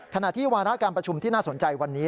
ขณะที่วาระการประชุมที่น่าสนใจวันนี้